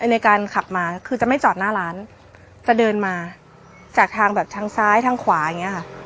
ในการขับมาคือจะไม่จอดหน้าร้านจะเดินมาจากทางแบบทางซ้ายทางขวาอย่างนี้ค่ะ